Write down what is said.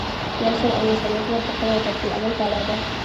یو سل او یو څلویښتمه پوښتنه د طرزالعمل په اړه ده.